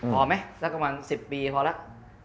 พอมั้ยสักกว่า๑๐ปีพอแล้ว